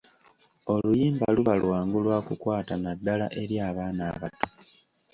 Oluyimba luba lwangu lwa kukwata naddala eri abaana abato.